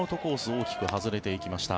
大きく外れていきました。